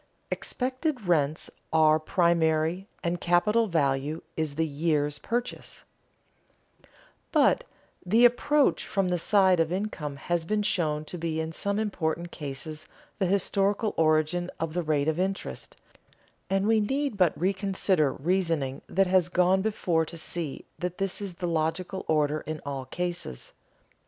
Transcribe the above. [Sidenote: Expected rents are primary, and capital value is the "years' purchase"] But the approach from the side of income has been shown to be in some important cases the historical origin of the rate of interest, and we need but reconsider reasoning that has gone before to see that this is the logical order in all cases.